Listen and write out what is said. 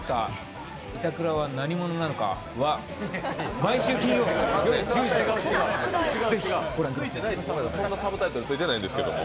違う、違う、そんなサブタイトル付いてないんですけど。